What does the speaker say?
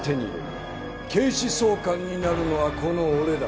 警視総監になるのはこの俺だ。